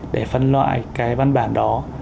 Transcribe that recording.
để phân loại văn bản đó